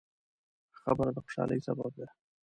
ښه خبره د خوشحالۍ سبب ده.